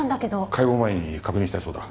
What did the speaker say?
解剖前に確認したいそうだ。